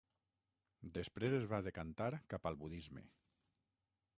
Després es va decantar cap al budisme.